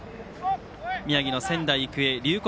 宮城の仙台育英龍谷